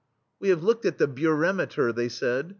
'* "We have looked at the bureme ter,*'* they said.